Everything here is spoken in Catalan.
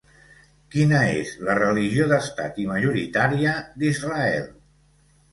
Quina és la religió d'Estat i majoritària d'Israel?